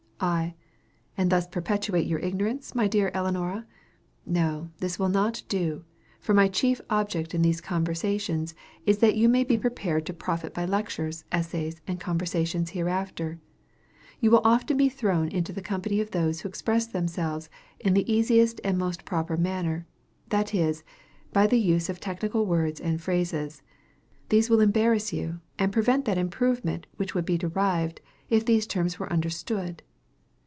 I. And thus perpetuate your ignorance, my dear Ellinora? No; this will not do; for my chief object in these conversations is that you may be prepared to profit by lectures, essays and conversation hereafter. You will often be thrown into the company of those who express themselves in the easiest and most proper manner, that is, by the use of technical words and phrases. These will embarrass you, and prevent that improvement which would be derived, if these terms were understood.